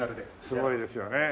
すごいですよね。